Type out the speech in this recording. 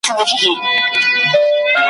له دښتونو څخه ستون سو تش لاسونه `